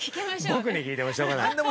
◆僕に聞いてもしょうがない。